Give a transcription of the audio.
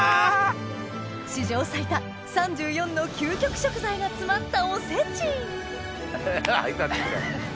史上最多３４の究極食材が詰まったおせちハイタッチした。